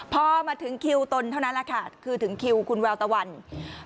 พอมาถึงคิวตนเท่านั้นแหละค่ะคือถึงคิวคุณแววตะวันอืม